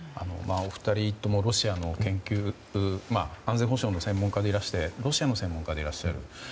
お二人とも、ロシアの安全保障の専門家でいらしてロシアの専門家でいらっしゃる。